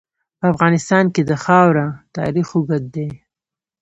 په افغانستان کې د خاوره تاریخ اوږد دی.